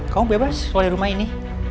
kamu bebas keluar dari rumah ini